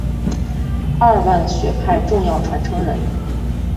二万学派重要传承人。